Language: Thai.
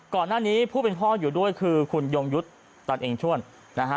ก่อนหน้านี้ผู้เป็นพ่ออยู่ด้วยคือคุณยงยุทธ์ตันเองชวนนะฮะ